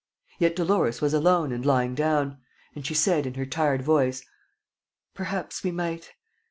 Yet Dolores was alone and lying down. And she said, in her tired voice: "Perhaps we might